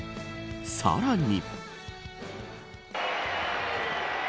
さらに。